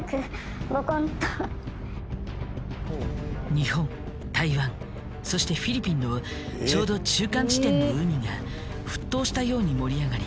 日本台湾そしてフィリピンのちょうど中間地点の海が沸騰したように盛り上がり